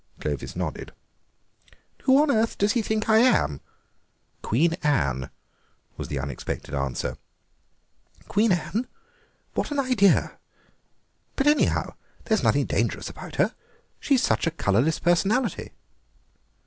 Clovis nodded. "Who on earth does he think I am?" "Queen Anne," was the unexpected answer. "Queen Anne! What an idea. But, anyhow, there's nothing dangerous about her; she's such a colourless personality."